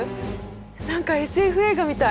何かＳＦ映画みたい。